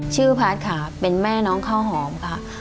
ชื่อพัทขาเป็นแม่น้องข้าวหอมค่ะ